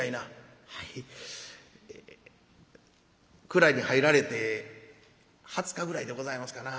蔵に入られて二十日ぐらいでございますかな。